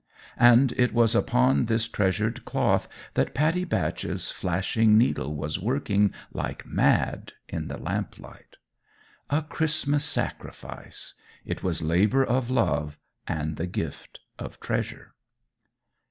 And it was upon this treasured cloth that Pattie Batch's flashing needle was working like mad in the lamplight. A Christmas sacrifice: it was labour of love and the gift of treasure.